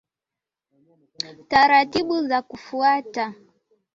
Taratibbu za kufuata